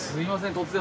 突然。